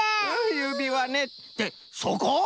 ゆびわねってそこ！？